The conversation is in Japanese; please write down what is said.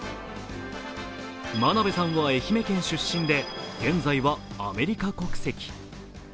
真鍋さんは愛媛出身で現在はアメリカ国籍。